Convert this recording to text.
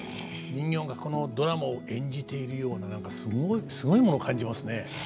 人形がこのドラマを演じているような何かすごいものを感じますね。